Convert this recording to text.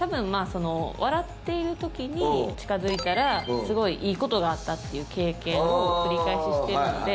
その笑っているときに近づいたらすごいいいことがあったっていう経験を繰り返ししてるのであ